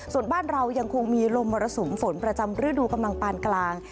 ส่วนบ้านเรายังคงมีลมมรสุมฝนประจำฤดูกำลังปานกลาง